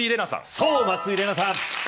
そう松井玲奈さん